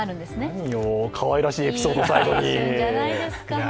何よ、かわいらしいエピソードを最後に。